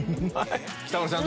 北村さん